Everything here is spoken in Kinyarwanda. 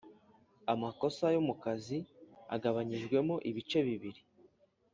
amakosa yo mu kazi agabanyijemo ibice bibiri